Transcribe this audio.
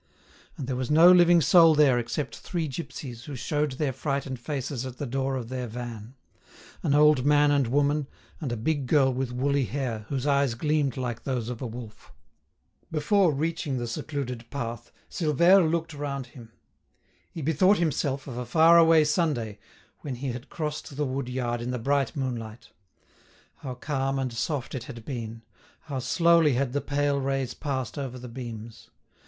And there was no living soul there excepting three gipsies who showed their frightened faces at the door of their van—an old man and woman, and a big girl with woolly hair, whose eyes gleamed like those of a wolf. Before reaching the secluded path, Silvère looked round him. He bethought himself of a far away Sunday when he had crossed the wood yard in the bright moonlight. How calm and soft it had been!—how slowly had the pale rays passed over the beams!